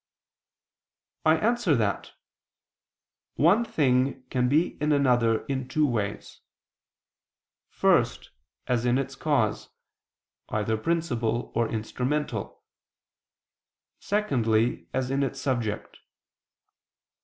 I answer that, One thing can be in another in two ways. First, as in its cause, either principal, or instrumental; secondly, as in its subject.